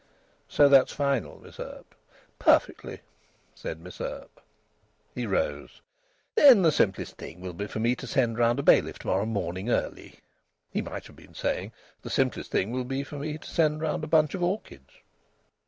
"So that's final, Miss Earp?" "Perfectly!" said Miss Earp. He rose. "Then the simplest thing will be for me to send round a bailiff to morrow morning, early." He might have been saying: "The simplest thing will be for me to send round a bunch of orchids."